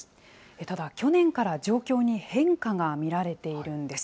ただ去年から状況に変化が見られているんです。